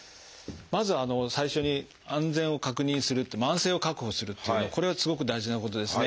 まず最初に安全を確認するっていう安静を確保するっていうのはこれはすごく大事なことですね。